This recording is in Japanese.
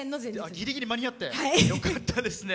ぎりぎり間に合ってよかったですね。